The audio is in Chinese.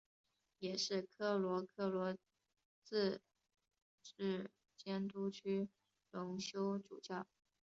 也是科罗科罗自治监督区荣休主教。